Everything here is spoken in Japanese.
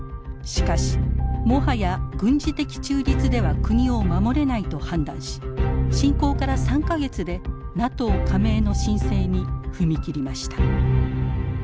しかしもはや軍事的中立では国を守れないと判断し侵攻から３か月でＮＡＴＯ加盟の申請に踏み切りました。